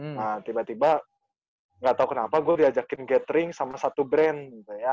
nah tiba tiba gak tau kenapa gue diajakin gathering sama satu brand gitu ya